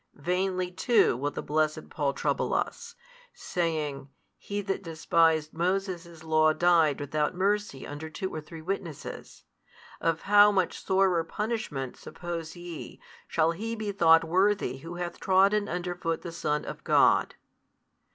Vainly too will the blessed Paul trouble us, saying, He that despised Moses' law died without mercy under two or three witnesses: of how much sorer punishment, suppose ye, shall he be thought worthy who hath trodden under foot the Son of God?